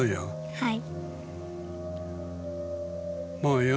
はい。